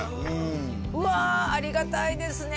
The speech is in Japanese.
うわあありがたいですね